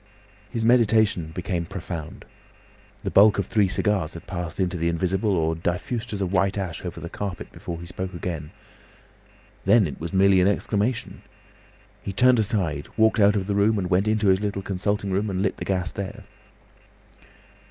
His meditation became profound. The bulk of three cigars had passed into the invisible or diffused as a white ash over the carpet before he spoke again. Then it was merely an exclamation. He turned aside, walked out of the room, and went into his little consulting room and lit the gas there.